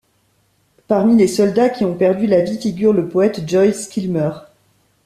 Parmi les soldats qui ont perdu la vie figure le poète Joyce Kilmer.